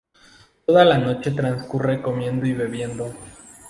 Toda la noche trascurre comiendo y bebiendo.